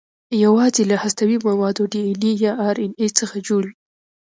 یواځې له هستوي موادو ډي ان اې یا ار ان اې څخه جوړ وي.